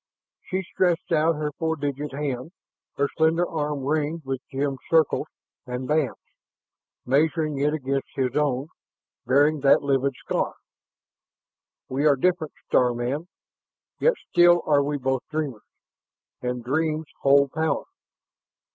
She stretched out her four digit hand, her slender arm ringed with gemmed circles and bands, measuring it beside his own, bearing that livid scar. "We are different, star man, yet still are we both dreamers. And dreams hold power.